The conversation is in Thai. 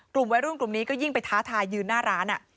กลุ่มวัยรุ่นกลุ่มนี้ก็ยิ่งไปท้าทายยืนหน้าร้าน